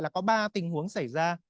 là có ba tình huống xảy ra